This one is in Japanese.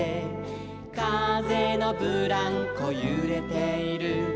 「かぜのブランコゆれている」